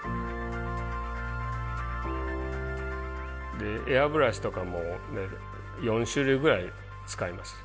でエアブラシとかも４種類ぐらい使います。